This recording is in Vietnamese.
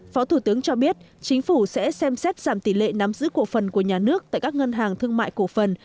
phó thủ tướng cho biết chính phủ sẽ xem xét giảm tỷ lệ nắm giữ cổ phần của nhà nước tại các ngân hàng thương mại cổ phần